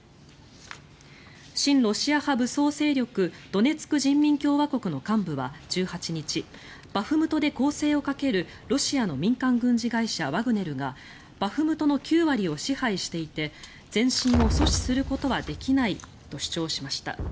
親ロシア派武装勢力ドネツク人民共和国の幹部は１８日バフムトで攻勢をかけるロシアの民間軍事会社ワグネルがバフムトの９割を支配していて前進を阻止することはできないと主張しました。